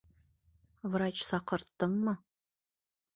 Врач саҡырттыңмы?